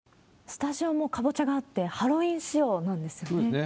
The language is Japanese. スタジオもカボチャがあって、ハロウィーン仕様なんですよね。